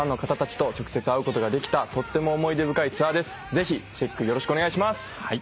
ぜひチェックよろしくお願いします。